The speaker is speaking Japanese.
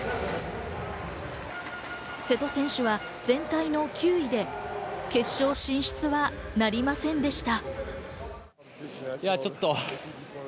瀬戸選手は全体の９位で、決勝進出はなりませんでした。